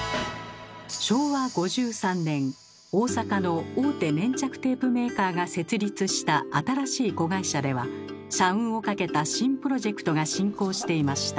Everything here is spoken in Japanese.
昭和５３年大阪の大手粘着テープメーカーが設立した新しい子会社では社運をかけた新プロジェクトが進行していました。